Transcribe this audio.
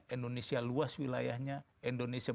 indonesia luas wilayahnya indonesia